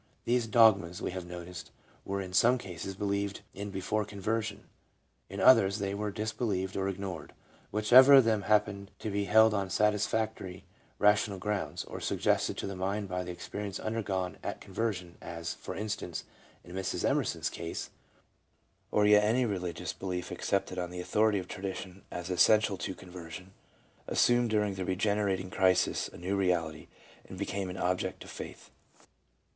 These dogmas, we have noticed, were in some cases believed in before conversion ; in others, they were disbelieved or ignored. Whichever of them happened to be held on satis factory rational grounds, or suggested to the mind by the experience undergone at conversion, as, for instance, in Mrs. Emerson's case, or yet any religious belief accepted on the authority of tradition as essential to conversion, assumed dur ing the regenerating crisis a new reality, and became an object of Faith.